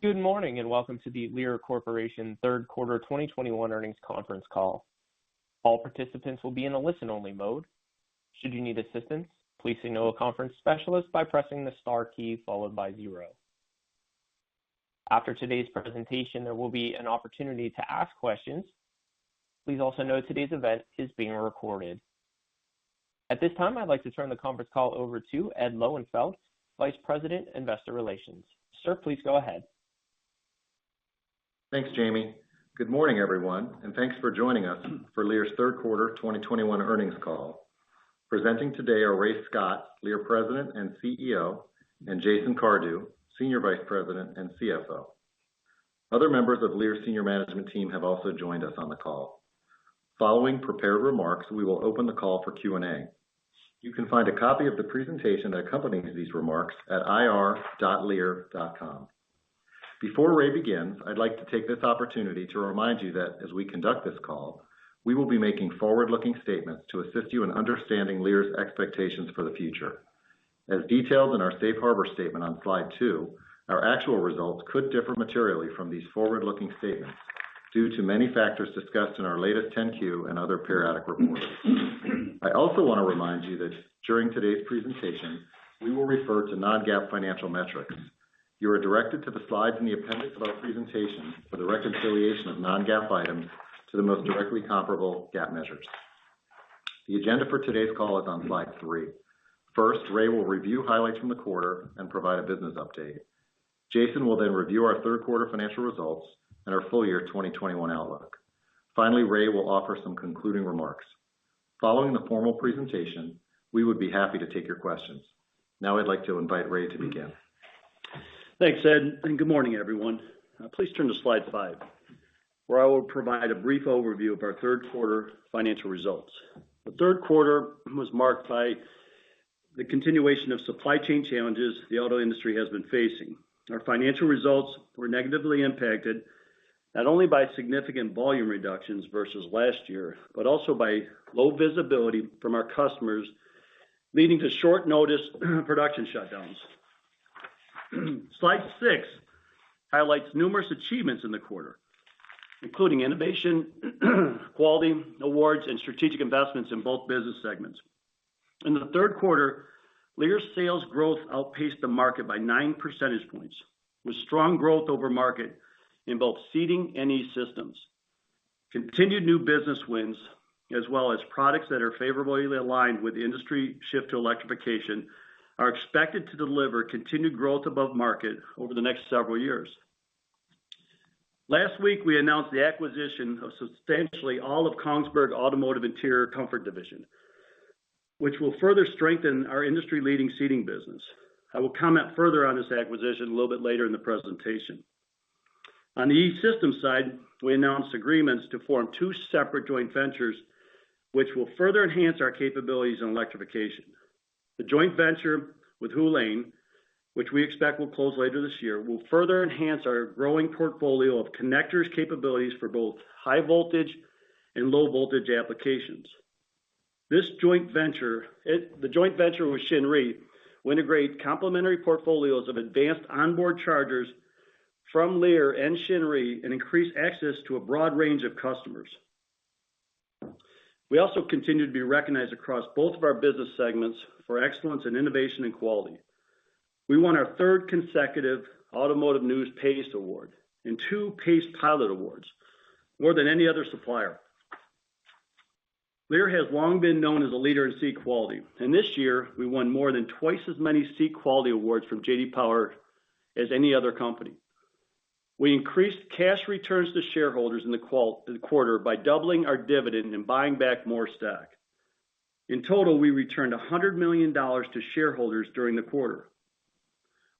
Good morning, and welcome to the Lear Corporation third quarter 2021 earnings conference call. All participants will be in a listen-only mode. Should you need assistance, please signal a conference specialist by pressing the star key followed by zero. After today's presentation, there will be an opportunity to ask questions. Please also note today's event is being recorded. At this time, I'd like to turn the conference call over to Ed Lowenfeld, Vice President, Investor Relations. Sir, please go ahead. Thanks, Jamie. Good morning, everyone, and thanks for joining us for Lear's third quarter 2021 earnings call. Presenting today are Ray Scott, President and CEO, Lear, and Jason Cardew, Senior Vice President and CFO. Other members of Lear's senior management team have also joined us on the call. Following prepared remarks, we will open the call for Q&A. You can find a copy of the presentation accompanying these remarks at ir.lear.com. Before Ray begins, I'd like to take this opportunity to remind you that as we conduct this call, we will be making forward-looking statements to assist you in understanding Lear's expectations for the future. As detailed in our safe harbor statement on slide two, our actual results could differ materially from these forward-looking statements due to many factors discussed in our latest 10-Q and other periodic reports. I also wanna remind you that during today's presentation, we will refer to non-GAAP financial metrics. You are directed to the slides in the appendix of our presentation for the reconciliation of non-GAAP items to the most directly comparable GAAP measures. The agenda for today's call is on slide three. First, Ray will review highlights from the quarter and provide a business update. Jason will then review our third quarter financial results and our full year 2021 outlook. Finally, Ray will offer some concluding remarks. Following the formal presentation, we would be happy to take your questions. Now I'd like to invite Ray to begin. Thanks, Ed, and good morning, everyone. Please turn to slide five, where I will provide a brief overview of our third quarter financial results. The third quarter was marked by the continuation of supply chain challenges the auto industry has been facing. Our financial results were negatively impacted not only by significant volume reductions versus last year, but also by low visibility from our customers, leading to short-notice production shutdowns. Slide 6 highlights numerous achievements in the quarter, including innovation, quality, awards, and strategic investments in both business segments. In the third quarter, Lear's sales growth outpaced the market by nine percentage points, with strong growth over market in both Seating and E-Systems. Continued new business wins, as well as products that are favorably aligned with the industry shift to electrification, are expected to deliver continued growth above market over the next several years. Last week, we announced the acquisition of substantially all of Kongsberg Automotive's Interior Comfort Systems, which will further strengthen our industry-leading Seating business. I will comment further on this acquisition a little bit later in the presentation. On the E-Systems side, we announced agreements to form two separate joint ventures which will further enhance our capabilities on electrification. The joint venture with Hu Lane, which we expect will close later this year, will further enhance our growing portfolio of connectors capabilities for both high voltage and low voltage applications. This joint venture with Shinry will integrate complementary portfolios of advanced onboard chargers from Lear and Shinry and increase access to a broad range of customers. We also continue to be recognized across both of our business segments for excellence in innovation and quality. We won our third consecutive Automotive News PACE Award and two PACE Pilot Awards, more than any other supplier. Lear has long been known as a leader in seat quality, and this year we won more than twice as many seat quality awards from J.D. Power as any other company. We increased cash returns to shareholders in the quarter by doubling our dividend and buying back more stock. In total, we returned $100 million to shareholders during the quarter.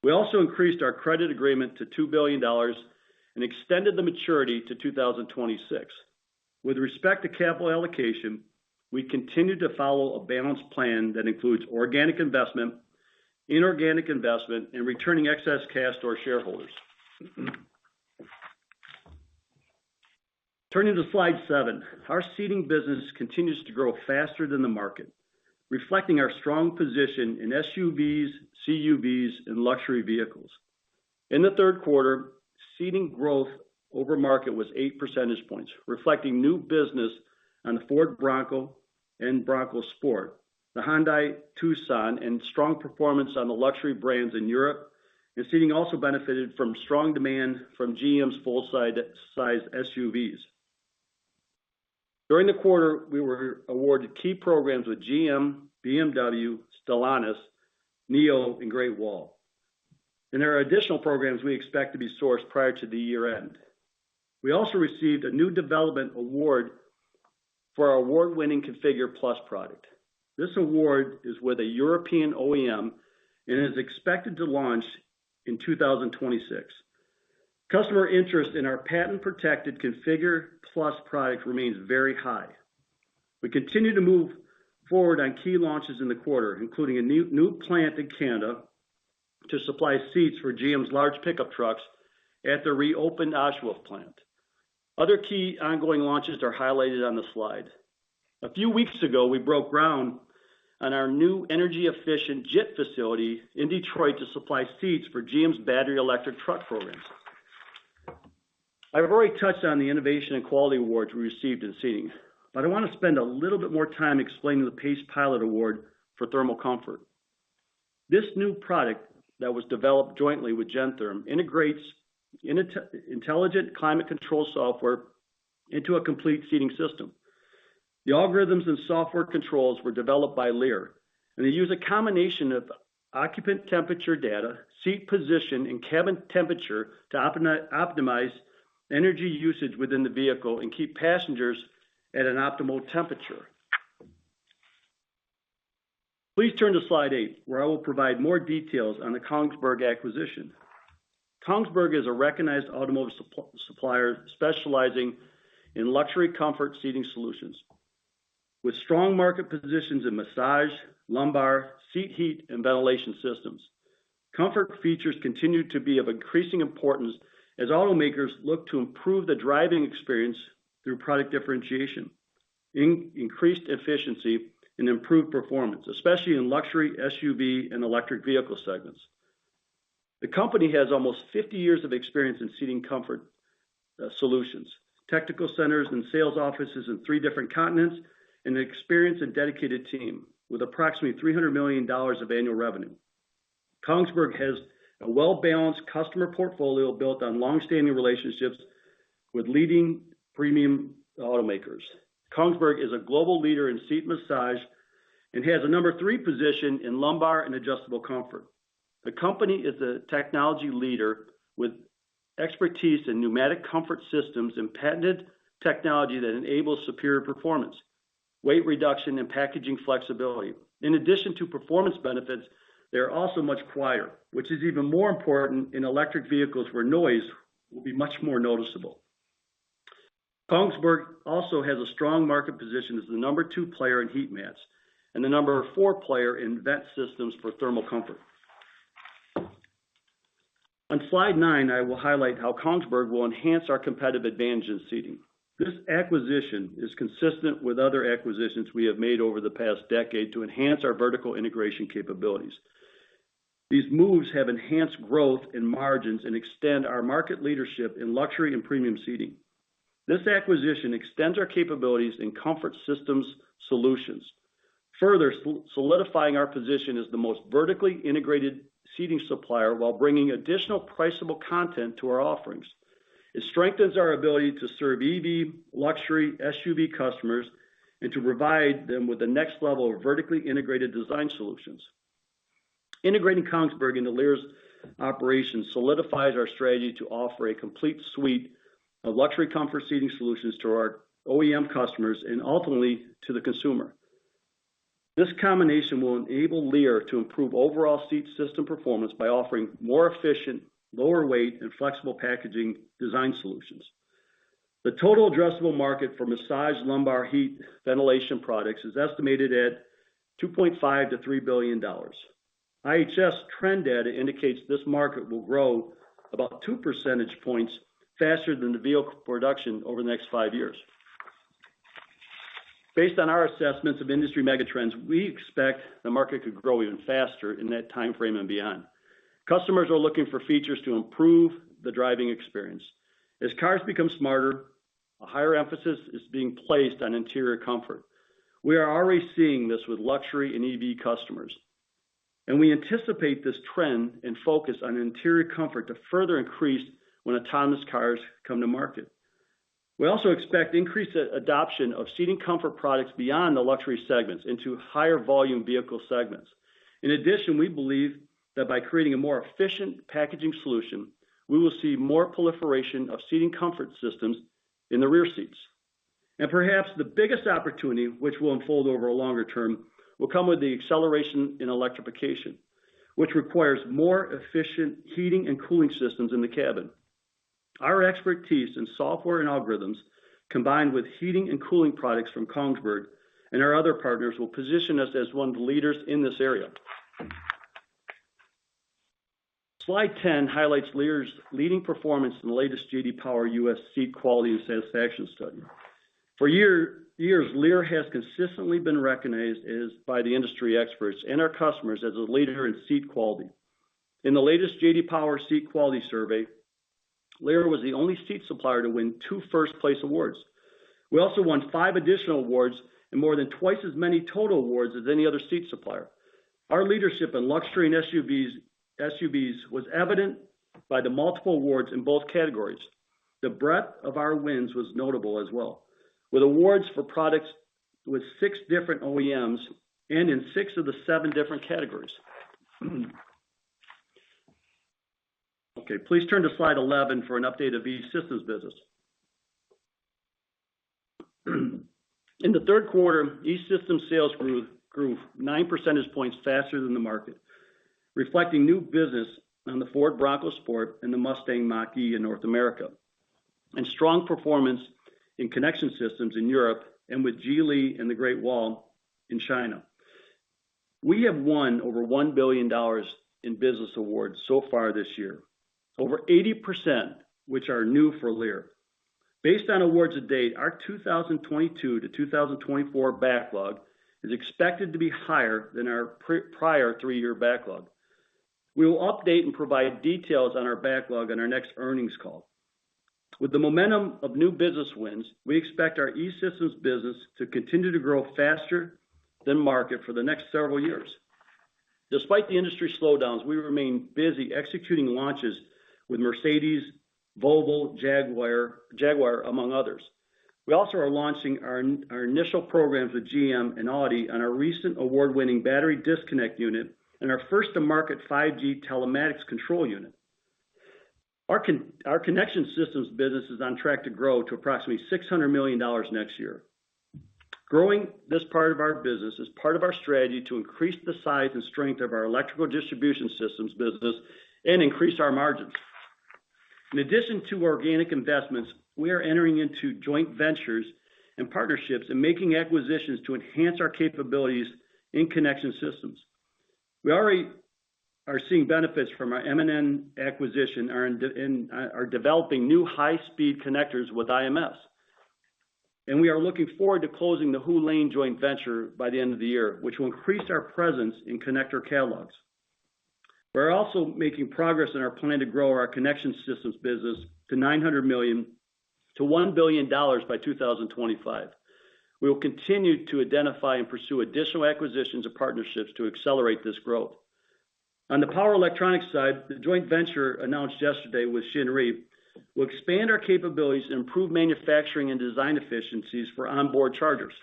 We also increased our credit agreement to $2 billion and extended the maturity to 2026. With respect to capital allocation, we continue to follow a balanced plan that includes organic investment, inorganic investment, and returning excess cash to our shareholders. Turning to slide seven. Our seating business continues to grow faster than the market, reflecting our strong position in SUVs, CUVs, and luxury vehicles. In the third quarter, Seating growth over market was eight percentage points, reflecting new business on the Ford Bronco and Bronco Sport, the Hyundai Tucson, and strong performance on the luxury brands in Europe. Seating also benefited from strong demand from GM's full-sized SUVs. During the quarter, we were awarded key programs with GM, BMW, Stellantis, NIO, and Great Wall, and there are additional programs we expect to be sourced prior to the year-end. We also received a new development award for our award-winning ConfigurE+ product. This award is with a European OEM and is expected to launch in 2026. Customer interest in our patent-protected ConfigurE+ product remains very high. We continue to move forward on key launches in the quarter, including a new plant in Canada to supply seats for GM's large pickup trucks at the reopened Oshawa plant. Other key ongoing launches are highlighted on the slide. A few weeks ago, we broke ground on our new energy-efficient JIT facility in Detroit to supply seats for GM's battery electric truck programs. I've already touched on the innovation and quality awards we received in seating, but I wanna spend a little bit more time explaining the PACE Pilot Award for thermal comfort. This new product that was developed jointly with Gentherm integrates intelligent climate control software into a complete seating system. The algorithms and software controls were developed by Lear, and they use a combination of occupant temperature data, seat position, and cabin temperature to optimize energy usage within the vehicle and keep passengers at an optimal temperature. Please turn to slide eight, where I will provide more details on the Kongsberg acquisition. Kongsberg is a recognized automotive supplier specializing in luxury comfort seating solutions, with strong market positions in massage, lumbar, seat heat, and ventilation systems. Comfort features continue to be of increasing importance as automakers look to improve the driving experience through product differentiation, increased efficiency, and improved performance, especially in luxury SUV and electric vehicle segments. The company has almost 50 years of experience in seating comfort solutions, technical centers and sales offices in three different continents, and an experienced and dedicated team with approximately $300 million of annual revenue. Kongsberg has a well-balanced customer portfolio built on long-standing relationships with leading premium automakers. Kongsberg is a global leader in seat massage and has a number three position in lumbar and adjustable comfort. The company is a technology leader with expertise in pneumatic comfort systems and patented technology that enables superior performance, weight reduction, and packaging flexibility. In addition to performance benefits, they are also much quieter, which is even more important in electric vehicles where noise will be much more noticeable. Kongsberg also has a strong market position as the number two player in heat mats and the number four player in vent systems for thermal comfort. On slide nine, I will highlight how Kongsberg will enhance our competitive advantage in seating. This acquisition is consistent with other acquisitions we have made over the past decade to enhance our vertical integration capabilities. These moves have enhanced growth in margins and extend our market leadership in luxury and premium seating. This acquisition extends our capabilities in comfort systems solutions, further solidifying our position as the most vertically integrated seating supplier while bringing additional priceable content to our offerings. It strengthens our ability to serve EV luxury SUV customers and to provide them with the next level of vertically integrated design solutions. Integrating Kongsberg into Lear's operations solidifies our strategy to offer a complete suite of luxury comfort seating solutions to our OEM customers and ultimately to the consumer. This combination will enable Lear to improve overall seat system performance by offering more efficient, lower weight, and flexible packaging design solutions. The total addressable market for massage lumbar heat ventilation products is estimated at $2.5 billion-$3 billion. IHS Trend data indicates this market will grow about two percentage points faster than the vehicle production over the next five years. Based on our assessments of industry mega-trends, we expect the market could grow even faster in that timeframe and beyond. Customers are looking for features to improve the driving experience. As cars become smarter, a higher emphasis is being placed on interior comfort. We are already seeing this with luxury and EV customers, and we anticipate this trend and focus on interior comfort to further increase when autonomous cars come to market. We also expect increased adoption of seating comfort products beyond the luxury segments into higher volume vehicle segments. In addition, we believe that by creating a more efficient packaging solution, we will see more proliferation of seating comfort systems in the rear seats. Perhaps the biggest opportunity which will unfold over a longer term will come with the acceleration in electrification, which requires more efficient heating and cooling systems in the cabin. Our expertise in software and algorithms, combined with heating and cooling products from Kongsberg and our other partners, will position us as one of the leaders in this area. Slide 10 highlights Lear's leading performance in the latest J.D. Power U.S. Seat Quality and Satisfaction Study. For years, Lear has consistently been recognized by the industry experts and our customers as a leader in seat quality. In the latest J.D. Power Seat Quality survey, Lear was the only seat supplier to win two first-place awards. We also won five additional awards and more than twice as many total awards as any other seat supplier. Our leadership in luxury and SUVs was evident by the multiple awards in both categories. The breadth of our wins was notable as well, with awards for products with six different OEMs and in six of the seven different categories. Okay, please turn to slide 11 for an update of E-Systems business. In the third quarter, E-Systems sales grew nine percentage points faster than the market, reflecting new business on the Ford Bronco Sport and the Mustang Mach-E in North America, and strong performance in connection systems in Europe and with Geely and the Great Wall in China. We have won over $1 billion in business awards so far this year. Over 80%, which are new for Lear. Based on awards to date, our 2022-2024 backlog is expected to be higher than our pre-prior three-year backlog. We will update and provide details on our backlog on our next earnings call. With the momentum of new business wins, we expect our E-Systems business to continue to grow faster than market for the next several years. Despite the industry slowdowns, we remain busy executing launches with Mercedes-Benz, Volvo, Jaguar among others. We also are launching our initial programs with GM and Audi on our recent award-winning Battery Disconnect Unit and our first-to-market 5G telematics control unit. Our connection systems business is on track to grow to approximately $600 million next year. Growing this part of our business is part of our strategy to increase the size and strength of our electrical distribution systems business and increase our margins. In addition to organic investments, we are entering into joint ventures and partnerships and making acquisitions to enhance our capabilities in connection systems. We already are seeing benefits from our M&N acquisition and are developing new high-speed connectors with IMS. We are looking forward to closing the Hu Lane joint venture by the end of the year, which will increase our presence in connector catalogs. We're also making progress in our plan to grow our connection systems business to $900 million-$1 billion by 2025. We will continue to identify and pursue additional acquisitions and partnerships to accelerate this growth. On the power electronics side, the joint venture announced yesterday with Shinry will expand our capabilities and improve manufacturing and design efficiencies for onboard chargers.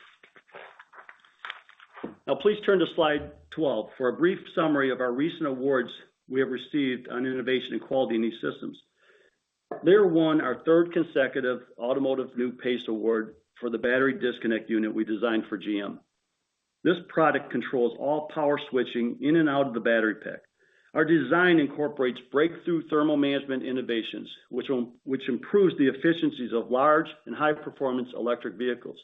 Now please turn to slide 12 for a brief summary of our recent awards we have received on innovation and quality in these systems. Lear won our third consecutive Automotive News PACE Award for the Battery Disconnect Unit we designed for GM. This product controls all power switching in and out of the battery pack. Our design incorporates breakthrough thermal management innovations, which improves the efficiencies of large and high performance electric vehicles.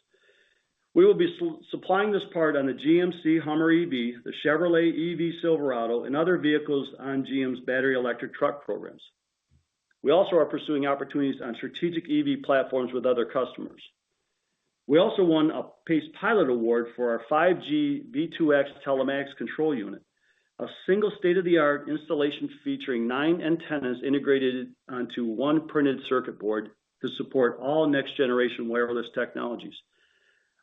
We will be supplying this part on the GMC Hummer EV, the Chevrolet Silverado EV, and other vehicles on GM's battery electric truck programs. We also are pursuing opportunities on strategic EV platforms with other customers. We also won a PACE Pilot Award for our 5G V2X telematics control unit, a single state-of-the-art installation featuring nine antennas integrated onto one printed circuit board to support all next generation wireless technologies.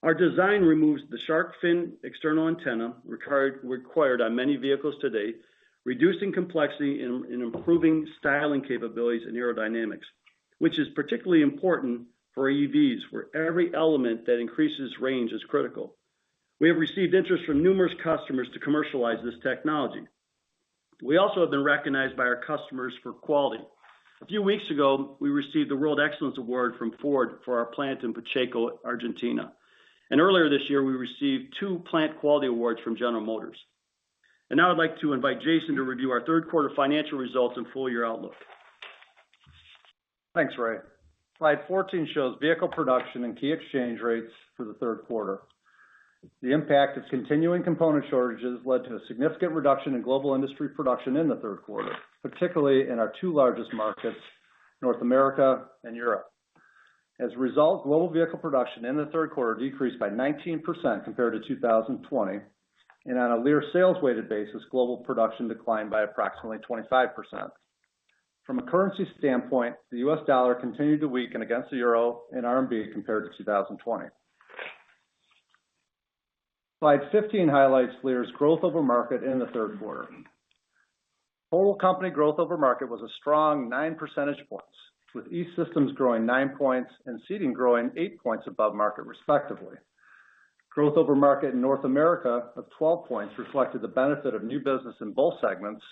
Our design removes the shark fin external antenna required on many vehicles today, reducing complexity and improving styling capabilities and aerodynamics, which is particularly important for EVs, where every element that increases range is critical. We have received interest from numerous customers to commercialize this technology. We also have been recognized by our customers for quality. A few weeks ago, we received the World Excellence Award from Ford for our plant in Pacheco, Argentina. Earlier this year, we received two plant quality awards from General Motors. Now I'd like to invite Jason to review our third quarter financial results and full year outlook. Thanks, Ray. Slide 14 shows vehicle production and key exchange rates for the third quarter. The impact of continuing component shortages led to a significant reduction in global industry production in the third quarter, particularly in our two largest markets, North America and Europe. As a result, global vehicle production in the third quarter decreased by 19% compared to 2020, and on a Lear sales weighted basis, global production declined by approximately 25%. From a currency standpoint, the U.S. dollar continued to weaken against the euro and RMB compared to 2020. Slide 15 highlights Lear's growth over market in the third quarter. Whole company growth over market was a strong nine percentage points, with E-Systems growing nine points and Seating growing eight points above market respectively. Growth over market in North America of 12% reflected the benefit of new business in both segments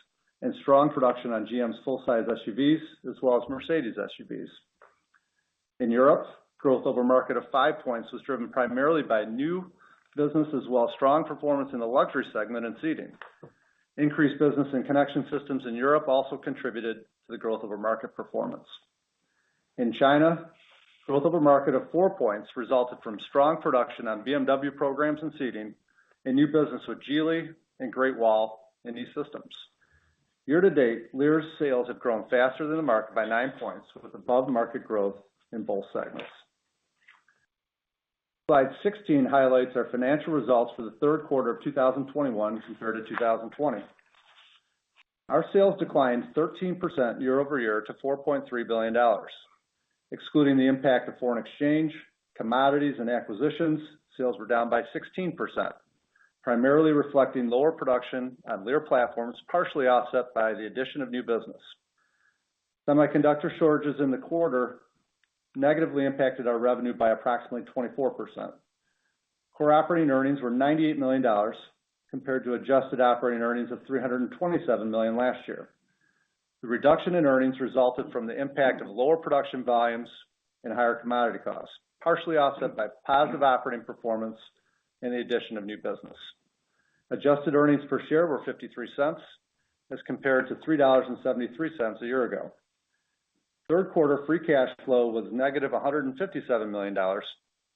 and strong production on GM's full-size SUVs, as well as Mercedes SUVs. In Europe, growth over market of 5% was driven primarily by new business as well as strong performance in the luxury segment and seating. Increased business and connection systems in Europe also contributed to the growth over market performance. In China, growth over market of 4% resulted from strong production on BMW programs and seating and new business with Geely and Great Wall in these systems. Year to date, Lear's sales have grown faster than the market by 9%, with above market growth in both segments. Slide 16 highlights our financial results for the third quarter of 2021 compared to 2020. Our sales declined 13% year over year to $4.3 billion. Excluding the impact of foreign exchange, commodities and acquisitions, sales were down by 16%, primarily reflecting lower production on Lear platforms, partially offset by the addition of new business. Semiconductor shortages in the quarter negatively impacted our revenue by approximately 24%. Core operating earnings were $98 million compared to adjusted operating earnings of $327 million last year. The reduction in earnings resulted from the impact of lower production volumes and higher commodity costs, partially offset by positive operating performance and the addition of new business. Adjusted earnings per share were $0.53 as compared to $3.73 a year ago. Third quarter free cash flow was -$157 million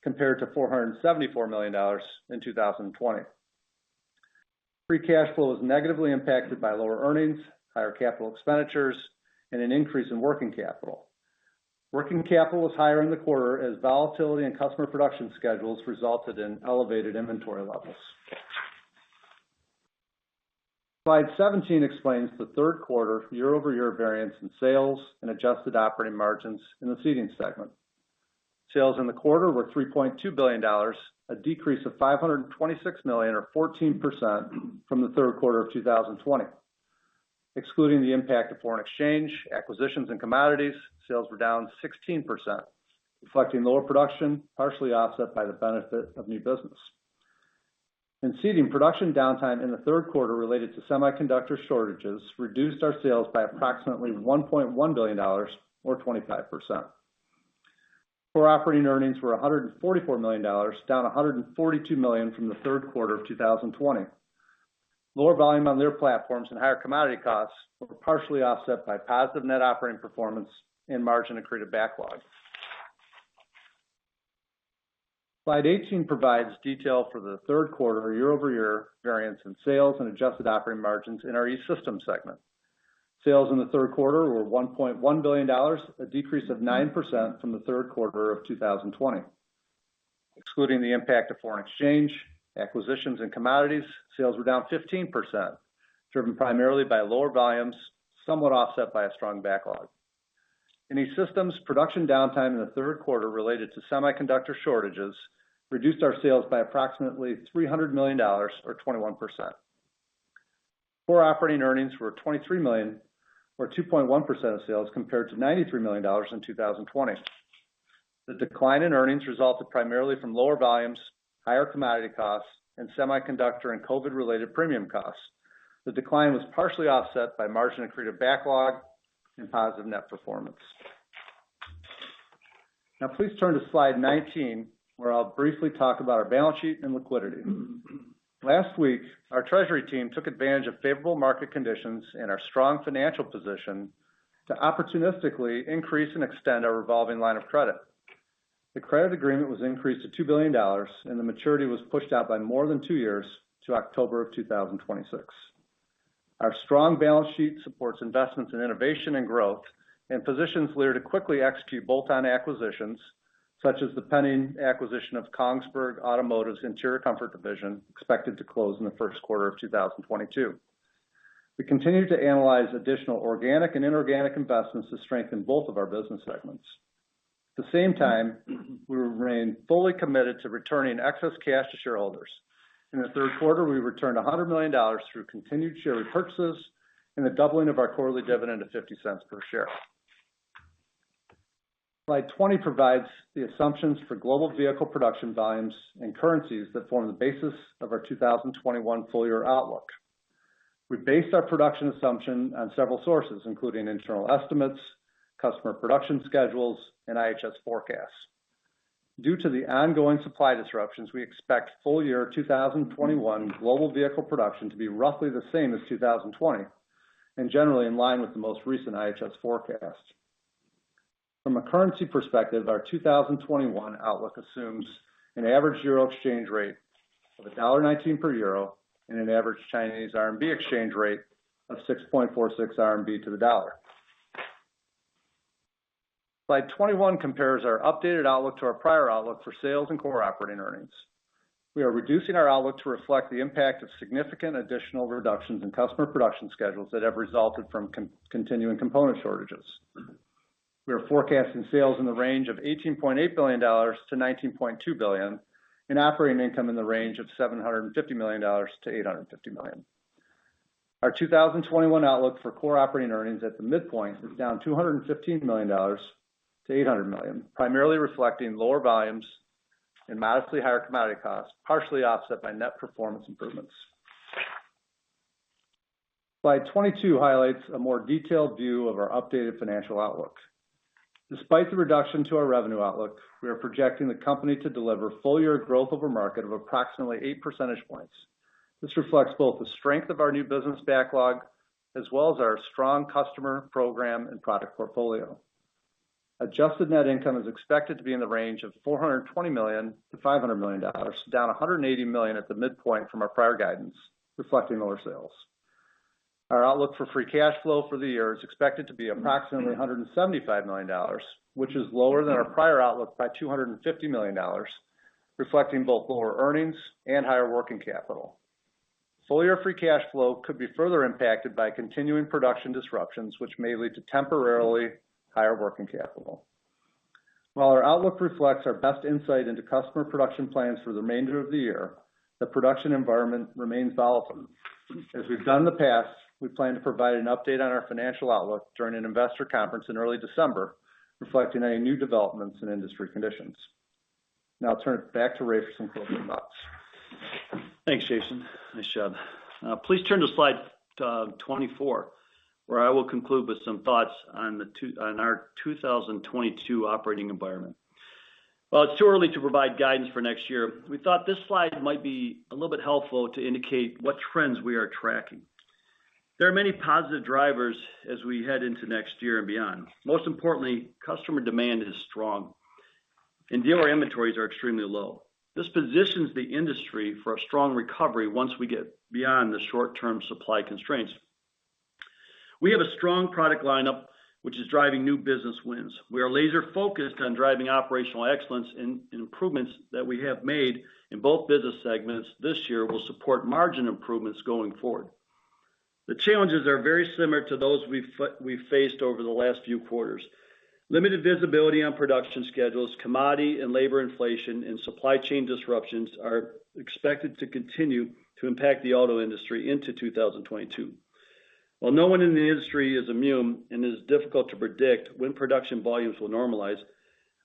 compared to $474 million in 2020. Free cash flow was negatively impacted by lower earnings, higher capital expenditures, and an increase in working capital. Working capital was higher in the quarter as volatility in customer production schedules resulted in elevated inventory levels. Slide 17 explains the third quarter year-over-year variance in sales and adjusted operating margins in the Seating segment. Sales in the quarter were $3.2 billion, a decrease of $526 million or 14% from the third quarter of 2020. Excluding the impact of foreign exchange, acquisitions, and commodities, sales were down 16%, reflecting lower production, partially offset by the benefit of new business. In Seating, production downtime in the third quarter related to semiconductor shortages reduced our sales by approximately $1.1 billion or 25%. Core operating earnings were $144 million, down $142 million from the third quarter of 2020. Lower volume on their platforms and higher commodity costs were partially offset by positive net operating performance and margin accretive backlog. Slide 18 provides detail for the third quarter year-over-year variance in sales and adjusted operating margins in our E-Systems segment. Sales in the third quarter were $1.1 billion, a decrease of 9% from the third quarter of 2020. Excluding the impact of foreign exchange, acquisitions, and commodities, sales were down 15%, driven primarily by lower volumes, somewhat offset by a strong backlog. In E-Systems, production downtime in the third quarter related to semiconductor shortages reduced our sales by approximately $300 million or 21%. Core operating earnings were $23 million or 2.1% of sales, compared to $93 million in 2020. The decline in earnings resulted primarily from lower volumes, higher commodity costs, and semiconductor and COVID-related premium costs. The decline was partially offset by margin accretive backlog and positive net performance. Now please turn to slide 19, where I'll briefly talk about our balance sheet and liquidity. Last week, our treasury team took advantage of favorable market conditions and our strong financial position to opportunistically increase and extend our revolving line of credit. The credit agreement was increased to $2 billion and the maturity was pushed out by more than two years to October 2026. Our strong balance sheet supports investments in innovation and growth and positions Lear to quickly execute bolt-on acquisitions such as the pending acquisition of Kongsberg Automotive's Interior Comfort Systems, expected to close in the first quarter of 2022. We continue to analyze additional organic and inorganic investments to strengthen both of our business segments. At the same time, we remain fully committed to returning excess cash to shareholders. In the third quarter, we returned $100 million through continued share repurchases and the doubling of our quarterly dividend to $0.50 per share. Slide 20 provides the assumptions for global vehicle production volumes and currencies that form the basis of our 2021 full-year outlook. We based our production assumption on several sources, including internal estimates, customer production schedules, and IHS forecasts. Due to the ongoing supply disruptions, we expect full-year 2021 global vehicle production to be roughly the same as 2020 and generally in line with the most recent IHS forecast. From a currency perspective, our 2021 outlook assumes an average euro exchange rate of $1.19 per euro and an average Chinese RMB exchange rate of 6.46 RMB to the dollar. Slide 21 compares our updated outlook to our prior outlook for sales and core operating earnings. We are reducing our outlook to reflect the impact of significant additional reductions in customer production schedules that have resulted from continuing component shortages. We are forecasting sales in the range of $18.8 billion-$19.2 billion and operating income in the range of $750 million-$850 million. Our 2021 outlook for core operating earnings at the midpoint is down $215 million to $800 million, primarily reflecting lower volumes and modestly higher commodity costs, partially offset by net performance improvements. Slide 22 highlights a more detailed view of our updated financial outlook. Despite the reduction to our revenue outlook, we are projecting the company to deliver full-year growth over market of approximately eight percentage points. This reflects both the strength of our new business backlog as well as our strong customer program and product portfolio. Adjusted net income is expected to be in the range of $420 million-$500 million, down $180 million at the midpoint from our prior guidance, reflecting lower sales. Our outlook for free cash flow for the year is expected to be approximately $175 million, which is lower than our prior outlook by $250 million, reflecting both lower earnings and higher working capital. Full-year free cash flow could be further impacted by continuing production disruptions, which may lead to temporarily higher working capital. While our outlook reflects our best insight into customer production plans for the remainder of the year, the production environment remains volatile. As we've done in the past, we plan to provide an update on our financial outlook during an investor conference in early December, reflecting any new developments in industry conditions. Now I'll turn it back to Ray for some closing thoughts. Thanks, Jason. Nice job. Please turn to slide 24, where I will conclude with some thoughts on our 2022 operating environment. Well, it's too early to provide guidance for next year. We thought this slide might be a little bit helpful to indicate what trends we are tracking. There are many positive drivers as we head into next year and beyond. Most importantly, customer demand is strong and dealer inventories are extremely low. This positions the industry for a strong recovery once we get beyond the short-term supply constraints. We have a strong product lineup, which is driving new business wins. We are laser-focused on driving operational excellence and improvements that we have made in both business segments this year will support margin improvements going forward. The challenges are very similar to those we've faced over the last few quarters. Limited visibility on production schedules, commodity and labor inflation, and supply chain disruptions are expected to continue to impact the auto industry into 2022. While no one in the industry is immune, and it is difficult to predict when production volumes will normalize,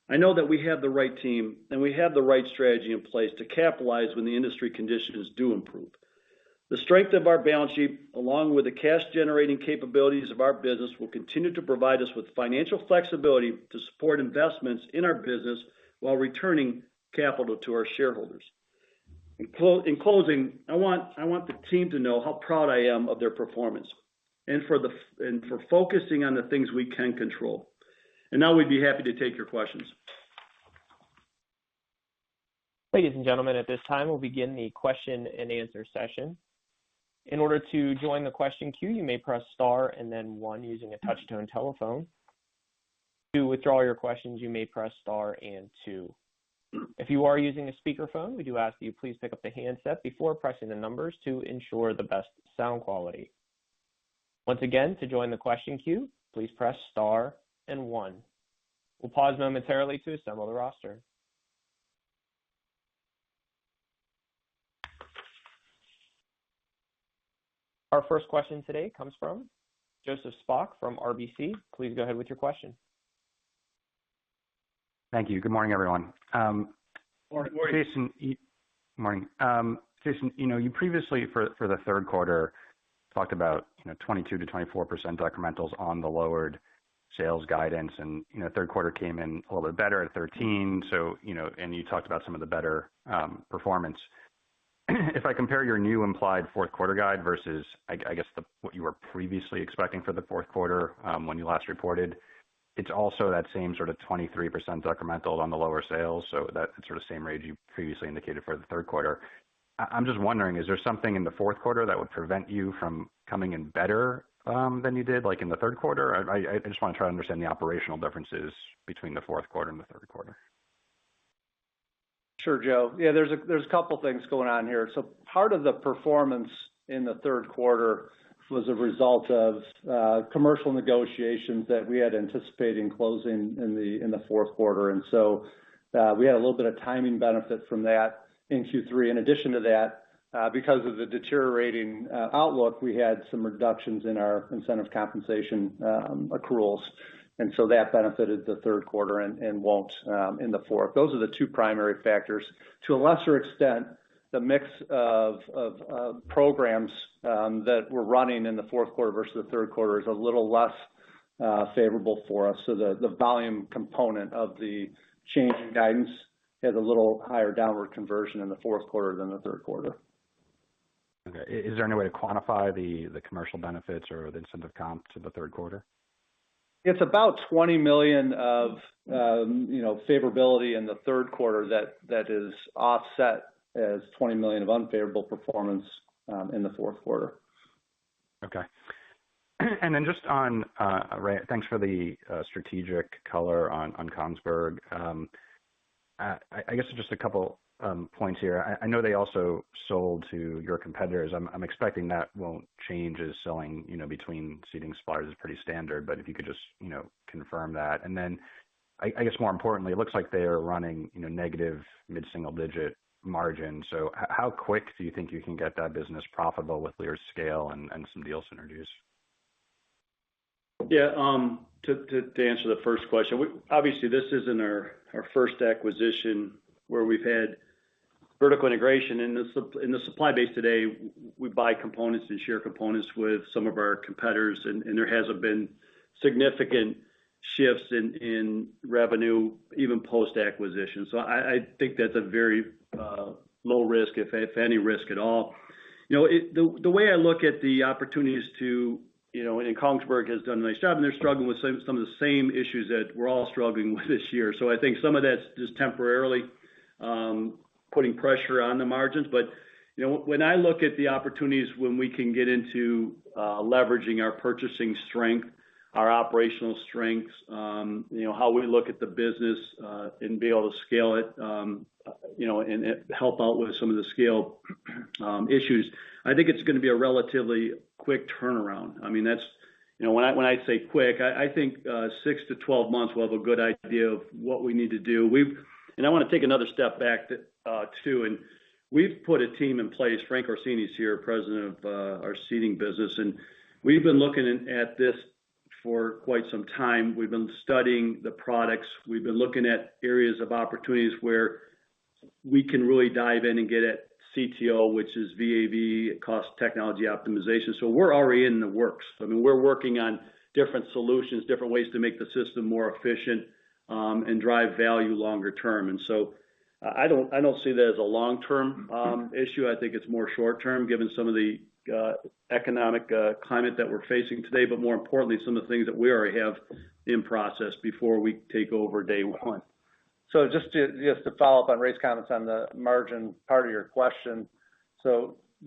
I know that we have the right team, and we have the right strategy in place to capitalize when the industry conditions do improve. The strength of our balance sheet, along with the cash-generating capabilities of our business, will continue to provide us with financial flexibility to support investments in our business while returning capital to our shareholders. In closing, I want the team to know how proud I am of their performance and for focusing on the things we can control. Now we'd be happy to take your questions. Ladies and gentlemen, at this time, we'll begin the question-and-answer session. In order to join the question queue, you may press star and then one using a touch-tone telephone. To withdraw your questions, you may press star and two. If you are using a speakerphone, we do ask that you please pick up the handset before pressing the numbers to ensure the best sound quality. Once again, to join the question queue, please press star and one. We'll pause momentarily to assemble the roster. Our first question today comes from Joseph Spak from RBC. Please go ahead with your question. Thank you. Good morning, everyone. Good morning. Jason, you know, you previously for the third quarter talked about 22-24% decrementals on the lowered sales guidance. You know, third quarter came in a little bit better at 13%. You know, and you talked about some of the better performance. If I compare your new implied fourth quarter guide versus, I guess, what you were previously expecting for the fourth quarter when you last reported, it's also that same sort of 23% decremental on the lower sales, so that's the sort of same rate you previously indicated for the third quarter. I'm just wondering, is there something in the fourth quarter that would prevent you from coming in better than you did, like in the third quarter? I just wanna try to understand the operational differences between the fourth quarter and the third quarter. Sure, Joe. Yeah, there's a couple things going on here. Part of the performance in the third quarter was a result of commercial negotiations that we had anticipating closing in the fourth quarter. We had a little bit of timing benefit from that in Q3. In addition to that, because of the deteriorating outlook, we had some reductions in our incentive compensation accruals. That benefited the third quarter and won't in the fourth. Those are the two primary factors. To a lesser extent, the mix of programs that we're running in the fourth quarter versus the third quarter is a little less favorable for us. The volume component of the change in guidance has a little higher downward conversion in the fourth quarter than the third quarter. Okay. Is there any way to quantify the commercial benefits or the incentive comp to the third quarter? It's about $20 million of, you know, favorability in the third quarter that is offset as $20 million of unfavorable performance in the fourth quarter. Just on, thanks for the strategic color on Kongsberg. I guess just a couple points here. I know they also sold to your competitors. I'm expecting that won't change as selling, you know, between seating suppliers is pretty standard. If you could just, you know, confirm that. I guess more importantly, it looks like they are running, you know, negative mid-single digit margin. How quick do you think you can get that business profitable with Lear's scale and some deal synergies? Yeah, to answer the first question, obviously this isn't our first acquisition where we've had vertical integration. In the supply base today, we buy components and share components with some of our competitors and there hasn't been significant shifts in revenue, even post-acquisition. I think that's a very low risk, if any risk at all. You know, it. The way I look at the opportunities, you know, and Kongsberg has done a nice job, and they're struggling with some of the same issues that we're all struggling with this year. I think some of that's just temporarily putting pressure on the margins. You know, when I look at the opportunities when we can get into leveraging our purchasing strength, our operational strengths, you know, how we look at the business, and be able to scale it, you know, and help out with some of the scale issues, I think it's gonna be a relatively quick turnaround. I mean, that's. You know, when I say quick, I think six to12 months we'll have a good idea of what we need to do. I wanna take another step back to, too, and we've put a team in place. Frank Orsini is here, President of our Seating business. We've been looking at this for quite some time. We've been studying the products. We've been looking at areas of opportunities where We can really dive in and get at CTO, which is VAVE cost technology optimization. We're already in the works. I mean, we're working on different solutions, different ways to make the system more efficient and drive value longer term. I don't see that as a long-term issue. I think it's more short-term given some of the economic climate that we're facing today, but more importantly, some of the things that we already have in process before we take over day one. Just to follow up on Ray's comments on the margin part of your question.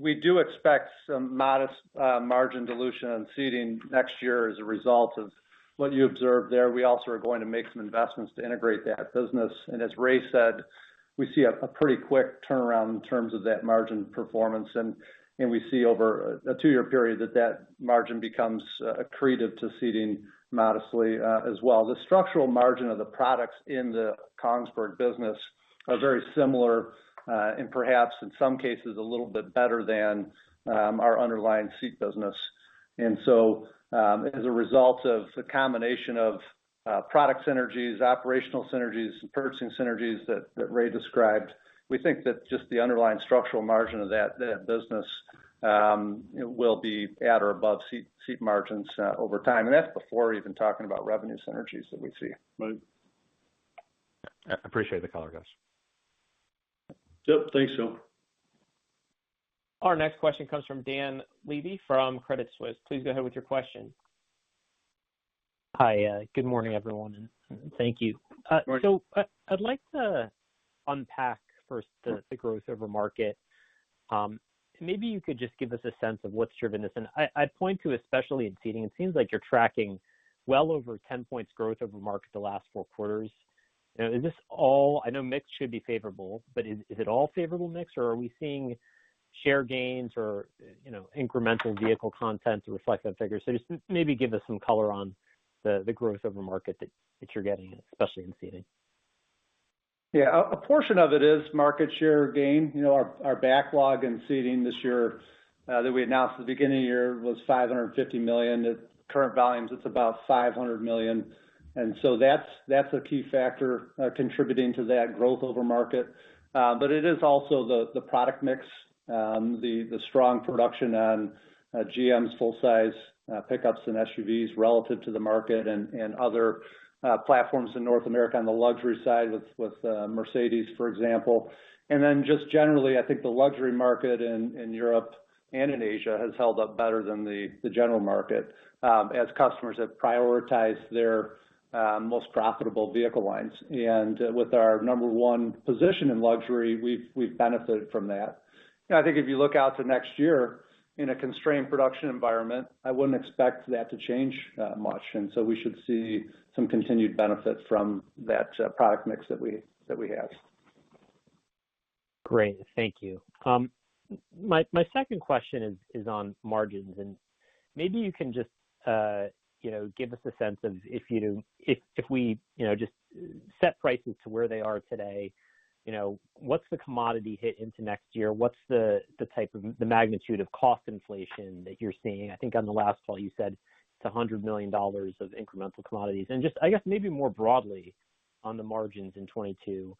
We do expect some modest margin dilution in Seating next year as a result of what you observed there. We also are going to make some investments to integrate that business. As Ray said, we see a pretty quick turnaround in terms of that margin performance. We see over a two-year period that margin becomes accretive to Seating modestly, as well. The structural margin of the products in the Kongsberg business are very similar and perhaps in some cases a little bit better than our underlying Seating business. As a result of the combination of product synergies, operational synergies, purchasing synergies that Ray described, we think that just the underlying structural margin of that business will be at or above Seating margins over time. That's before even talking about revenue synergies that we see. Right. I appreciate the color, guys. Yep. Thanks, Phil. Our next question comes from Dan Levy from Credit Suisse. Please go ahead with your question. Hi. Good morning, everyone. Thank you. Good morning. I'd like to unpack first the growth over market. Maybe you could just give us a sense of what's driven this. I'd point to, especially in Seating, it seems like you're tracking well over 10 points growth over market the last four quarters. Is this all? I know mix should be favorable, but is it all favorable mix or are we seeing share gains or incremental vehicle content to reflect that figure? Just maybe give us some color on the growth over market that you're getting, especially in Seating. Yeah. A portion of it is market share gain. You know, our backlog in Seating this year that we announced at the beginning of the year was $550 million. At current volumes it's about $500 million. That's a key factor contributing to that growth over market. It is also the product mix. The strong production on GM's full-size pickups and SUVs relative to the market and other platforms in North America on the luxury side with Mercedes-Benz, for example. Just generally, I think the luxury market in Europe and in Asia has held up better than the general market as customers have prioritized their most profitable vehicle lines. With our number one position in luxury, we've benefited from that. I think if you look out to next year in a constrained production environment, I wouldn't expect that to change much. We should see some continued benefit from that product mix that we have. Great. Thank you. My second question is on margins, and maybe you can just you know give us a sense of if you know if we you know just set prices to where they are today you know what's the commodity hit into next year? What's the type of the magnitude of cost inflation that you're seeing? I think on the last call you said it's $100 million of incremental commodities. And just I guess maybe more broadly on the margins in 2022.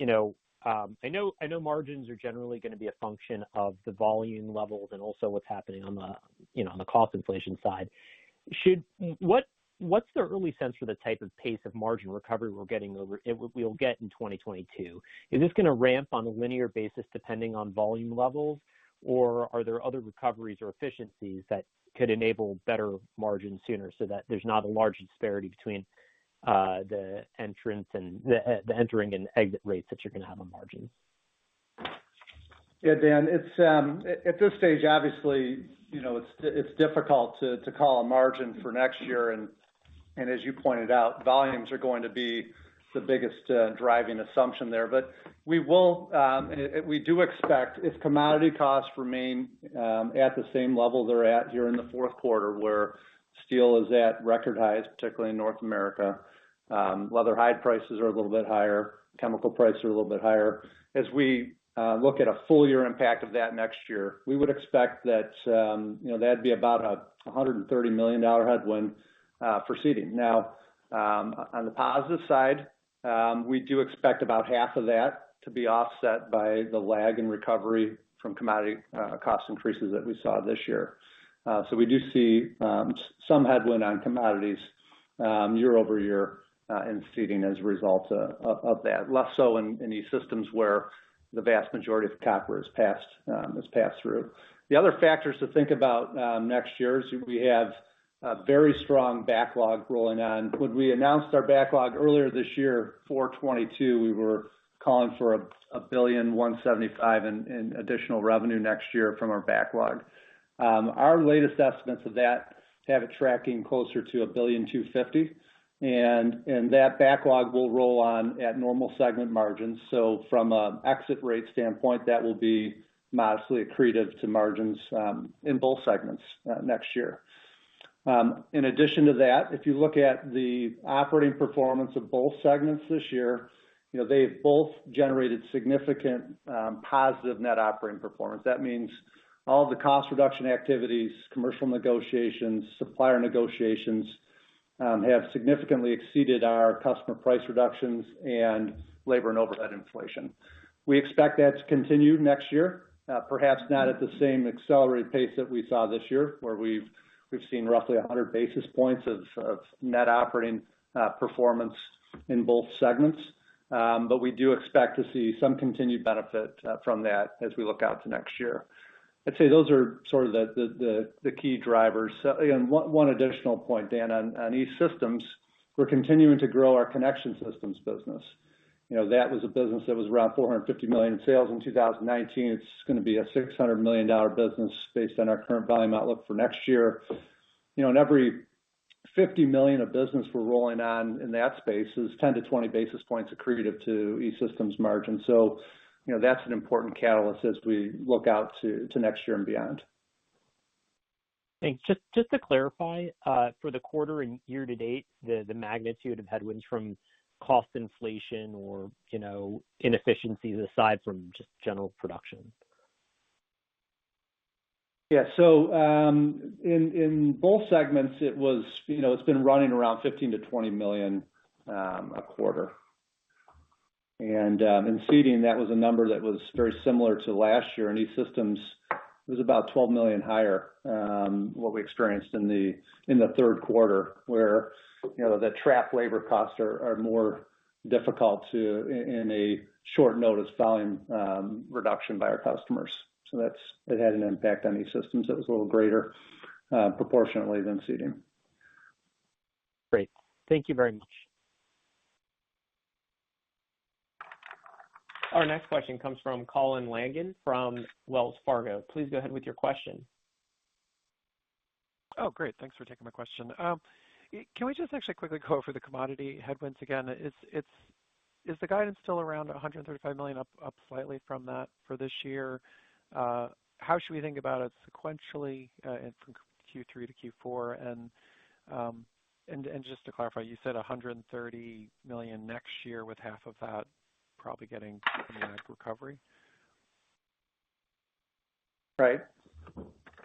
You know I know margins are generally gonna be a function of the volume levels and also what's happening on the you know on the cost inflation side. What what's the early sense for the type of pace of margin recovery we'll get in 2022? Is this gonna ramp on a linear basis depending on volume levels, or are there other recoveries or efficiencies that could enable better margins sooner so that there's not a large disparity between the entering and exit rates that you're gonna have on margins? Yeah, Dan, it's at this stage, obviously, you know, it's difficult to call a margin for next year. As you pointed out, volumes are going to be the biggest driving assumption there. But we will and we do expect if commodity costs remain at the same level they're at during the fourth quarter, where steel is at record highs, particularly in North America, leather hide prices are a little bit higher, chemical prices are a little bit higher. As we look at a full year impact of that next year, we would expect that, you know, that'd be about $130 million headwind for Seating. Now, on the positive side, we do expect about half of that to be offset by the lag in recovery from commodity cost increases that we saw this year. We do see some headwind on commodities year-over-year in Seating as a result of that. Less so in these systems where the vast majority of copper is passed through. The other factors to think about next year is we have a very strong backlog rolling on. When we announced our backlog earlier this year, 2022, we were calling for $1.175 billion in additional revenue next year from our backlog. Our latest estimates of that have it tracking closer to $1.25 billion, and that backlog will roll on at normal segment margins. From an exit rate standpoint, that will be modestly accretive to margins in both segments next year. In addition to that, if you look at the operating performance of both segments this year, you know, they've both generated significant positive net operating performance. That means all the cost reduction activities, commercial negotiations, supplier negotiations have significantly exceeded our customer price reductions and labor and overhead inflation. We expect that to continue next year, perhaps not at the same accelerated pace that we saw this year, where we've seen roughly 100 basis points of net operating performance in both segments. But we do expect to see some continued benefit from that as we look out to next year. I'd say those are sort of the key drivers. One additional point, Dan, on E-Systems, we're continuing to grow our connector systems business. You know, that was a business that was around $450 million in sales in 2019. It's gonna be a $600 million business based on our current volume outlook for next year. You know, and every $50 million of business we're rolling on in that space is 10-20 basis points accretive to E-Systems margin. You know, that's an important catalyst as we look out to next year and beyond. Thanks. Just to clarify, for the quarter and year to date, the magnitude of headwinds from cost inflation or, you know, inefficiencies aside from just general production. Yeah. In both segments, it was you know it's been running around $15 million-$20 million a quarter. In Seating, that was a number that was very similar to last year. In E-Systems, it was about $12 million higher than what we experienced in the third quarter, where you know the trapped labor costs are more difficult in a short notice volume reduction by our customers. It had an impact on E-Systems that was a little greater proportionately than Seating. Great. Thank you very much. Our next question comes from Colin Langan from Wells Fargo. Please go ahead with your question. Oh, great. Thanks for taking my question. Can we just actually quickly go over the commodity headwinds again? Is the guidance still around $135 million up slightly from that for this year? How should we think about it sequentially from Q3 to Q4? Just to clarify, you said $130 million next year, with half of that probably getting some back recovery. Right.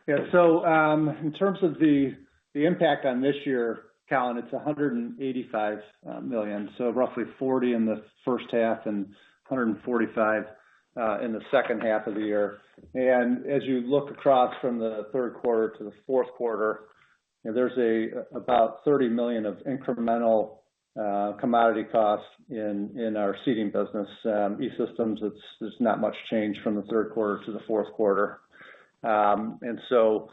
Yeah. In terms of the impact on this year, Colin, it's $185 million, so roughly $40 million in the first half and $145 million in the second half of the year. As you look across from the third quarter to the fourth quarter, you know, there's about $30 million of incremental commodity costs in our Seating business. E-Systems, there's not much change from the third quarter to the fourth quarter. What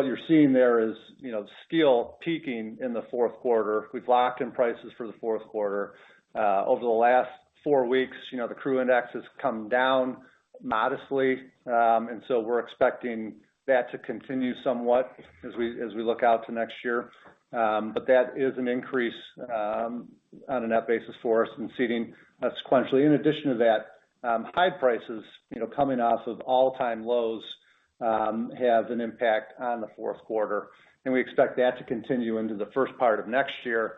you're seeing there is, you know, steel peaking in the fourth quarter. We've locked in prices for the fourth quarter. Over the last four weeks, you know, the CRU Index has come down modestly. We're expecting that to continue somewhat as we look out to next year. That is an increase on a net basis for us in Seating sequentially. In addition to that, high prices, you know, coming off of all-time lows, have an impact on the fourth quarter, and we expect that to continue into the first part of next year.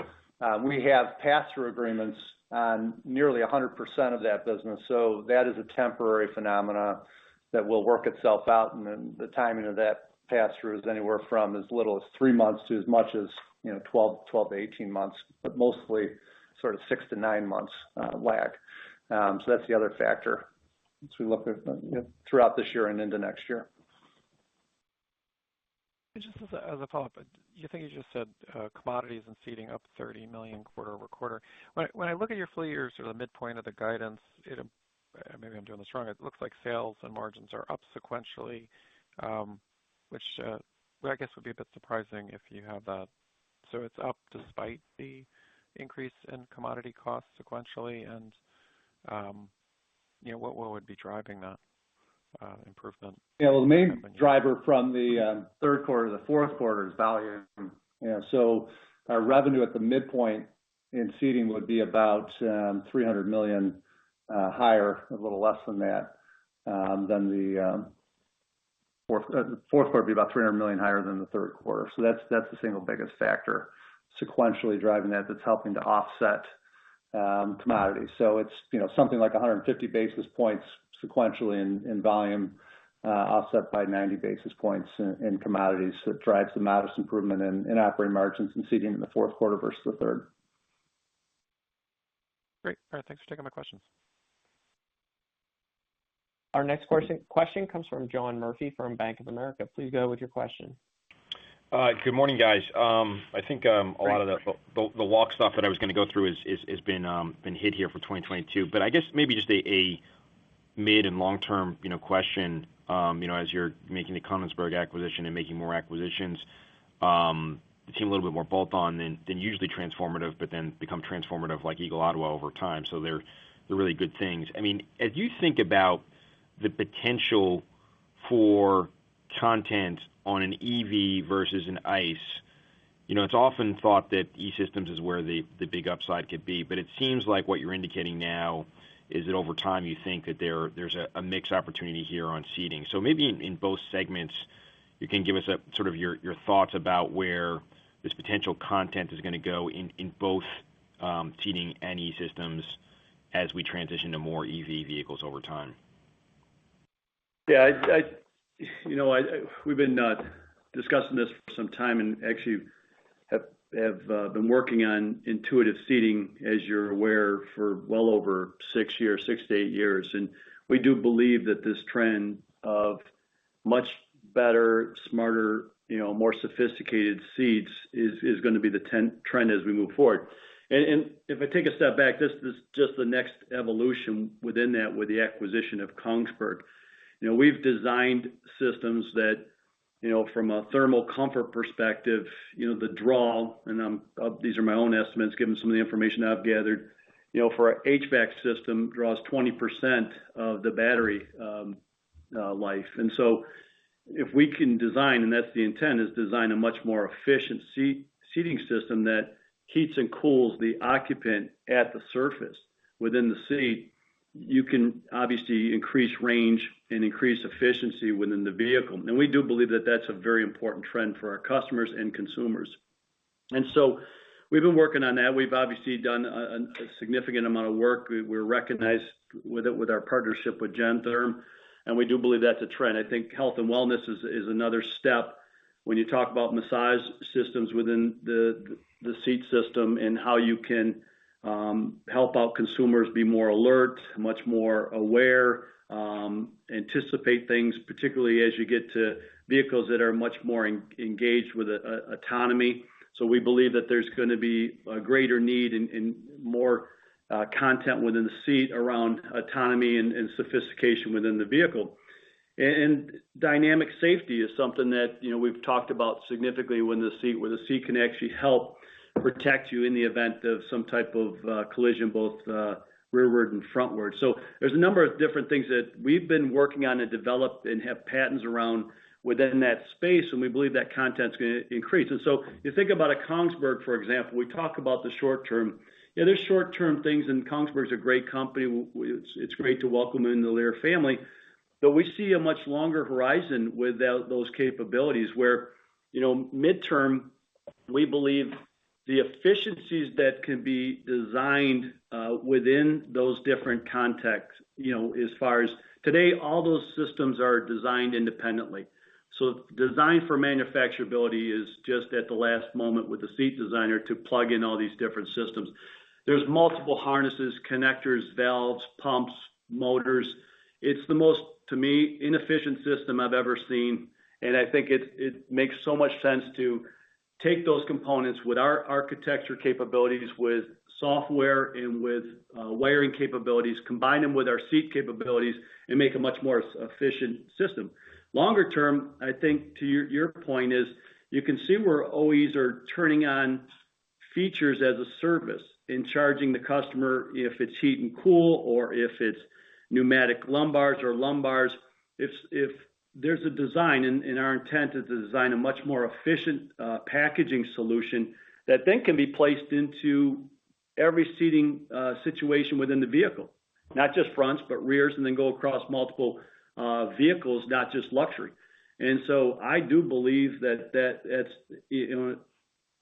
We have pass-through agreements on nearly 100% of that business, so that is a temporary phenomenon that will work itself out. Then the timing of that pass-through is anywhere from as little as three months to as much as, you know, 12 to 18 months, but mostly sort of six to nine months lag. That's the other factor as we look at, you know, throughout this year and into next year. Just as a follow-up, you think you just said commodities and seating up $30 million quarter-over-quarter. When I look at your full year sort of midpoint of the guidance, maybe I'm doing this wrong, it looks like sales and margins are up sequentially, which well, I guess would be a bit surprising if you have that. It's up despite the increase in commodity costs sequentially and you know, what would be driving that improvement? Yeah. Well, the main driver from the third quarter to the fourth quarter is volume. You know, our revenue at the midpoint in Seating would be about $300 million higher, a little less than that. The fourth quarter would be about $300 million higher than the third quarter. That's the single biggest factor sequentially driving that's helping to offset commodities. It's, you know, something like 150 basis points sequentially in volume offset by 90 basis points in commodities that drives the modest improvement in operating margins in Seating in the fourth quarter versus the third. Great. All right. Thanks for taking my questions. Our next question comes from John Murphy from Bank of America. Please go with your question. Good morning, guys. I think a lot of the walk stuff that I was gonna go through has been hit here for 2022. I guess maybe just a mid and long-term, you know, question. You know, as you're making the Kongsberg acquisition and making more acquisitions, it seemed a little bit more bolt on than usually transformative, but then become transformative like Eagle Ottawa over time. They're really good things. I mean, as you think about the potential for content on an EV versus an ICE, you know, it's often thought that E-Systems is where the big upside could be, but it seems like what you're indicating now is that over time you think that there's a mixed opportunity here on Seating. Maybe in both segments, you can give us a sort of your thoughts about where this potential content is gonna go in both Seating and E-Systems as we transition to more EV vehicles over time. You know, we've been discussing this for some time and actually have been working on intuitive seating, as you're aware, for well over six years, six to eight years. We do believe that this trend of much better, smarter, you know, more sophisticated seats is gonna be the next trend as we move forward. If I take a step back, this is just the next evolution within that with the acquisition of Kongsberg. You know, we've designed systems that, you know, from a thermal comfort perspective, you know, the draw, and these are my own estimates given some of the information I've gathered. You know, for our HVAC system draws 20% of the battery life. If we can design, and that's the intent, is design a much more efficient seating system that heats and cools the occupant at the surface within the seat, you can obviously increase range and increase efficiency within the vehicle. We do believe that that's a very important trend for our customers and consumers. We've been working on that. We've obviously done a significant amount of work. We're recognized with it with our partnership with Gentherm, and we do believe that's a trend. I think health and wellness is another step when you talk about massage systems within the seat system and how you can help our consumers be more alert, much more aware, anticipate things, particularly as you get to vehicles that are much more engaged with autonomy. We believe that there's gonna be a greater need and more content within the seat around autonomy and sophistication within the vehicle. Dynamic safety is something that, you know, we've talked about significantly where the seat can actually help protect you in the event of some type of collision, both rearward and frontward. There's a number of different things that we've been working on and developed and have patents around within that space, and we believe that content's gonna increase. You think about a Kongsberg, for example, we talk about the short term. Yeah, there's short term things, and Kongsberg is a great company. It's great to welcome them in the Lear family. We see a much longer horizon without those capabilities where, you know, midterm, we believe the efficiencies that can be designed within those different contexts, you know, as far as today, all those systems are designed independently. So design for manufacturability is just at the last moment with the seat designer to plug in all these different systems. There's multiple harnesses, connectors, valves, pumps, motors. It's the most, to me, inefficient system I've ever seen, and I think it makes so much sense to take those components with our architecture capabilities, with software and with wiring capabilities, combine them with our seat capabilities and make a much more efficient system. Longer term, I think to your point is you can see where OEs are turning on features as a service and charging the customer if it's heat and cool or if it's pneumatic lumbars or lumbars. If there's a design, and our intent is to design a much more efficient packaging solution that then can be placed into every seating situation within the vehicle, not just fronts, but rears, and then go across multiple vehicles, not just luxury. I do believe that that's you know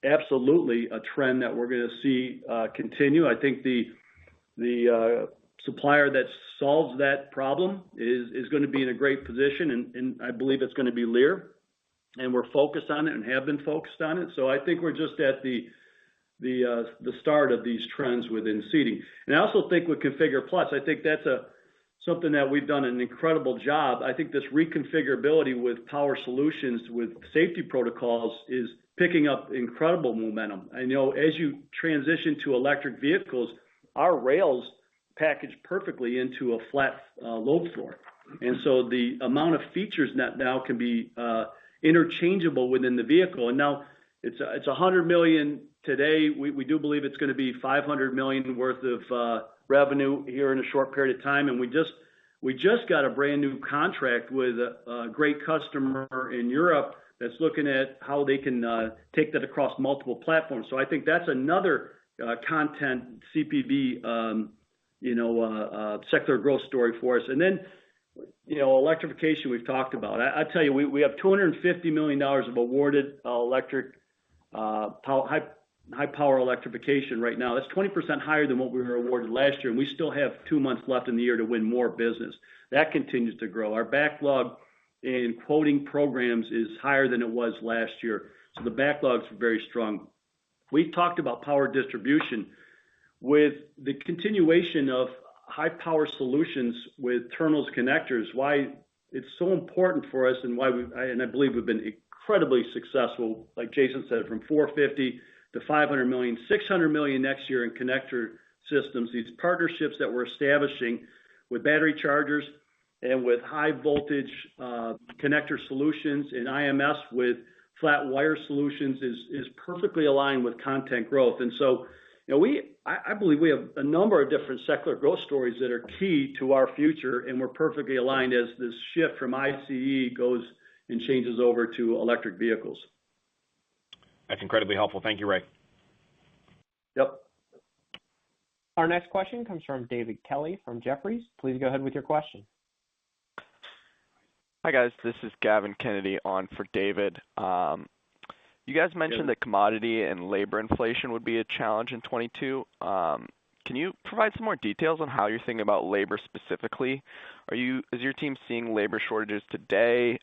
absolutely a trend that we're gonna see continue. I think the supplier that solves that problem is gonna be in a great position, and I believe it's gonna be Lear, and we're focused on it and have been focused on it. I think we're just at the start of these trends within Seating. I also think with ConfigurE+, I think that's something that we've done an incredible job. I think this reconfigurability with power solutions, with safety protocols is picking up incredible momentum. I know as you transition to electric vehicles, our rails package perfectly into a flat load floor, the amount of features that now can be interchangeable within the vehicle, and now it's $100 million today. We do believe it's gonna be $500 million worth of revenue here in a short period of time. We just got a brand new contract with a great customer in Europe that's looking at how they can take that across multiple platforms. I think that's another content CPV, you know, sector growth story for us. You know, electrification we've talked about. I tell you, we have $250 million of awarded electric high power electrification right now. That's 20% higher than what we were awarded last year, and we still have two months left in the year to win more business. That continues to grow. Our backlog in quoting programs is higher than it was last year. The backlogs are very strong. We talked about power distribution. With the continuation of high power solutions with terminals, connectors, why it's so important for us and why we've been incredibly successful, like Jason said, from $450 million-$500 million, $600 million next year in connector systems. These partnerships that we're establishing with battery chargers and with high voltage connector solutions and IMS with flat wire solutions is perfectly aligned with content growth. You know, I believe we have a number of different secular growth stories that are key to our future, and we're perfectly aligned as this shift from ICE goes and changes over to electric vehicles. That's incredibly helpful. Thank you, Ray. Yep. Our next question comes from David Kelley from Jefferies. Please go ahead with your question. Hi, guys. This is Gavin Kennedy on for David. You guys mentioned that commodity and labor inflation would be a challenge in 2022. Can you provide some more details on how you're thinking about labor specifically? Is your team seeing labor shortages today?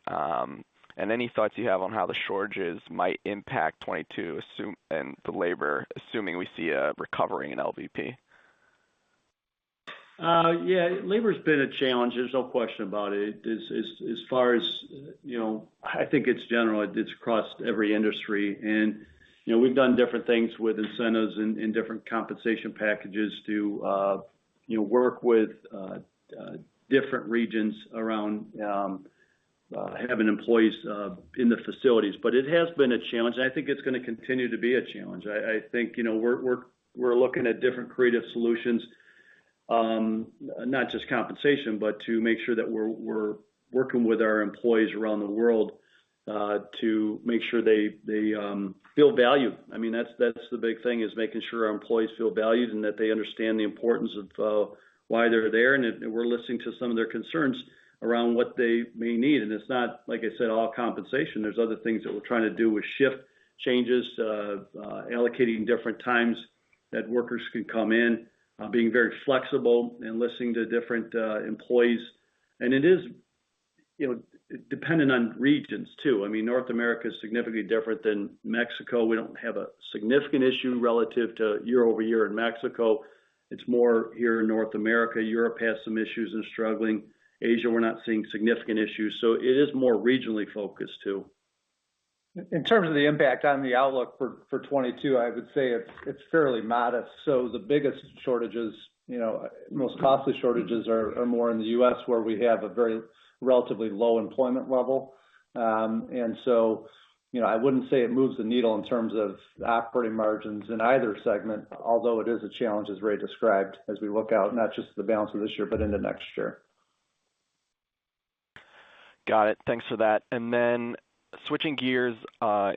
Any thoughts you have on how the shortages might impact 2022 and the labor, assuming we see a recovery in LVP. Yeah. Labor's been a challenge, there's no question about it. As far as, you know, I think it's general. It's across every industry. You know, we've done different things with incentives and different compensation packages to, you know, work with different regions around having employees in the facilities. It has been a challenge, and I think it's gonna continue to be a challenge. I think, you know, we're looking at different creative solutions, not just compensation, but to make sure that we're working with our employees around the world to make sure they feel valued. I mean, that's the big thing, is making sure our employees feel valued and that they understand the importance of why they're there, and that we're listening to some of their concerns around what they may need. It's not, like I said, all compensation. There's other things that we're trying to do with shift changes, allocating different times that workers can come in, being very flexible and listening to different employees. It is, you know, dependent on regions too. I mean, North America is significantly different than Mexico. We don't have a significant issue relative to year-over-year in Mexico. It's more here in North America. Europe has some issues and is struggling. Asia, we're not seeing significant issues. It is more regionally focused, too. In terms of the impact on the outlook for 2022, I would say it's fairly modest. The biggest shortages, you know, most costly shortages are more in the U.S., where we have a very relatively low employment level. You know, I wouldn't say it moves the needle in terms of operating margins in either segment, although it is a challenge, as Ray described, as we look out, not just the balance of this year, but into next year. Got it. Thanks for that. Then switching gears,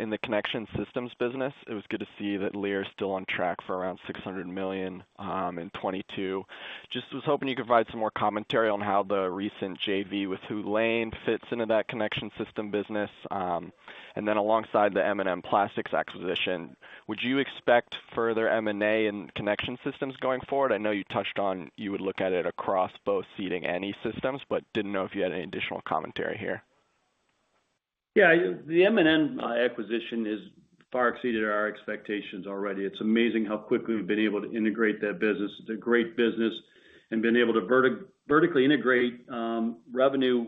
in the Connection Systems business, it was good to see that Lear is still on track for around $600 million in 2022. Just was hoping you could provide some more commentary on how the recent JV with Hu Lane fits into that Connection System business. Then alongside the M&N Plastics acquisition, would you expect further M&A in Connection Systems going forward? I know you touched on you would look at it across both Seating and E-Systems, but didn't know if you had any additional commentary here. Yeah. The M&N acquisition has far exceeded our expectations already. It's amazing how quickly we've been able to integrate that business. It's a great business and been able to vertically integrate revenue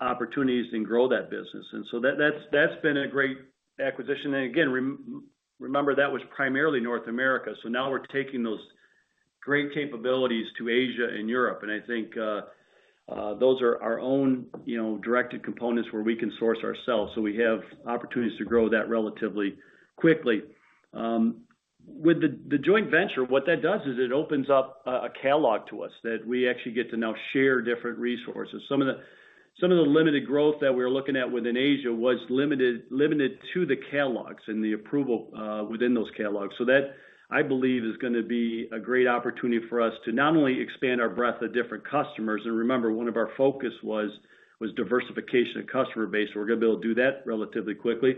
opportunities and grow that business. That's been a great acquisition. Again, remember that was primarily North America. Now we're taking those great capabilities to Asia and Europe. I think those are our own, you know, directed components where we can source ourselves. We have opportunities to grow that relatively quickly. With the joint venture, what that does is it opens up a catalog to us that we actually get to now share different resources. Some of the limited growth that we're looking at within Asia was limited to the catalogs and the approval within those catalogs. That, I believe, is gonna be a great opportunity for us to not only expand our breadth of different customers, and remember, one of our focus was diversification of customer base. We're gonna be able to do that relatively quickly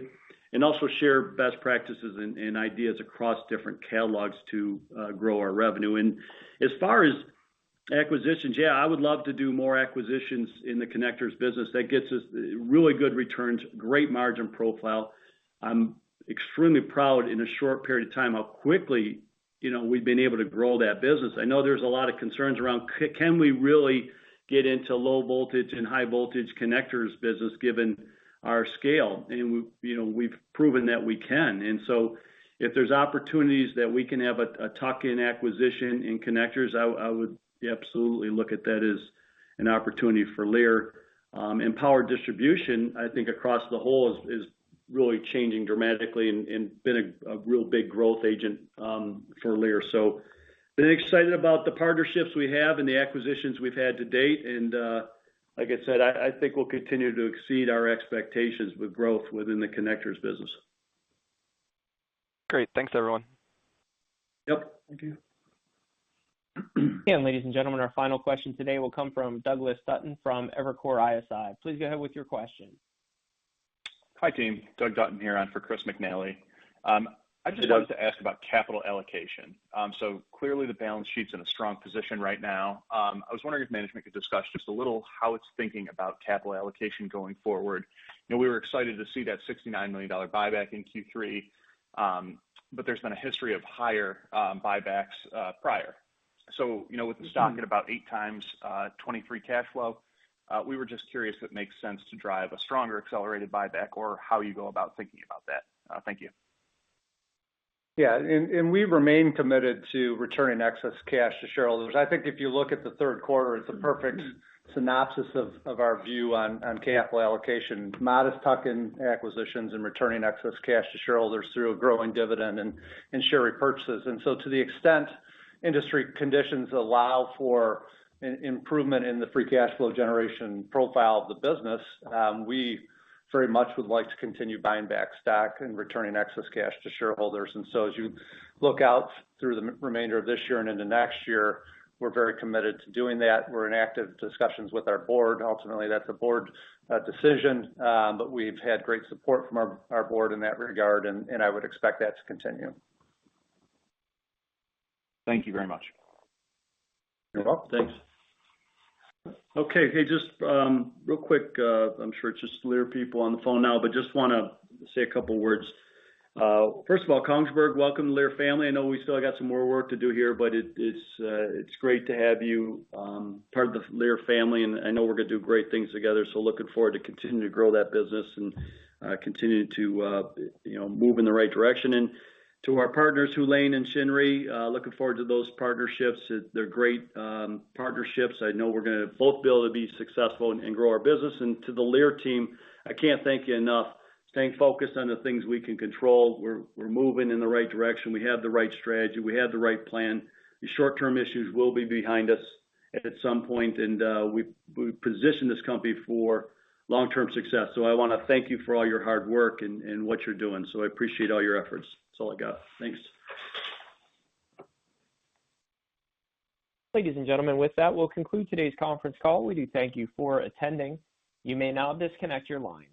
and also share best practices and ideas across different catalogs to grow our revenue. As far as acquisitions, yeah, I would love to do more acquisitions in the connectors business. That gets us really good returns, great margin profile. I'm extremely proud in a short period of time, how quickly, you know, we've been able to grow that business. I know there's a lot of concerns around can we really get into low voltage and high voltage connectors business given our scale? You know, we've proven that we can. If there's opportunities that we can have a tuck-in acquisition in connectors, I would absolutely look at that as an opportunity for Lear. Power distribution, I think across the whole is really changing dramatically and been a real big growth agent for Lear. I've been excited about the partnerships we have and the acquisitions we've had to date. Like I said, I think we'll continue to exceed our expectations with growth within the connectors business. Great. Thanks, everyone. Yep. Thank you. Ladies and gentlemen, our final question today will come from Douglas Sutton from Evercore ISI. Please go ahead with your question. Hi, team. Doug Dutton here in for Chris McNally. Hey, Doug. I wanted to ask about capital allocation. Clearly the balance sheet's in a strong position right now. I was wondering if management could discuss just a little how it's thinking about capital allocation going forward. You know, we were excited to see that $69 million buyback in Q3, but there's been a history of higher buybacks prior. You know, with the stock at about eight times 2023 cash flow, we were just curious if it makes sense to drive a stronger accelerated buyback or how you go about thinking about that. Thank you. We remain committed to returning excess cash to shareholders. I think if you look at the third quarter, it's a perfect synopsis of our view on capital allocation. Modest tuck-in acquisitions and returning excess cash to shareholders through a growing dividend and share repurchases. To the extent industry conditions allow for an improvement in the free cash flow generation profile of the business, we very much would like to continue buying back stock and returning excess cash to shareholders. As you look out through the remainder of this year and into next year, we're very committed to doing that. We're in active discussions with our board. Ultimately, that's a board decision, but we've had great support from our board in that regard, and I would expect that to continue. Thank you very much. You're welcome. Thanks. Okay. Hey, just real quick, I'm sure it's just Lear people on the phone now, but just wanna say a couple words. First of all, Kongsberg, welcome to Lear family. I know we still got some more work to do here, but it's great to have you part of the Lear family, and I know we're gonna do great things together. Looking forward to continuing to grow that business and continue to you know move in the right direction. To our partners, Hu Lane and Shinry, looking forward to those partnerships. They're great partnerships. I know we're gonna both be able to be successful and grow our business. To the Lear team, I can't thank you enough. Staying focused on the things we can control. We're moving in the right direction. We have the right strategy. We have the right plan. The short-term issues will be behind us at some point, and we've positioned this company for long-term success. I wanna thank you for all your hard work and what you're doing. I appreciate all your efforts. That's all I got. Thanks. Ladies and gentlemen, with that, we'll conclude today's conference call. We do thank you for attending. You may now disconnect your line.